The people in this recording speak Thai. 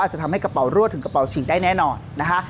จะทำให้กระเป๋ารั่วถึงกระเป๋าฉีกได้แน่นอนนะคะ